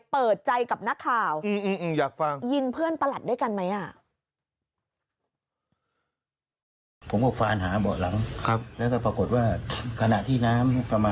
เปิดใจกับนักข่าวอยากฟังยิงเพื่อนประหลัดด้วยกันไหมอ่ะ